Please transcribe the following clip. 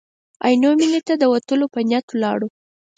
عینو مېنې ته د ورتلو په نیت ولاړو.